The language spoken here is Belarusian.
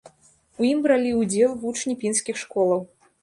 У ім бралі ўдзел вучні пінскіх школаў.